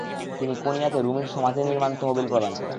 তিনি কোনিয়াতে রুমির সমাধি নির্মানে তহবিল প্রদান করেন।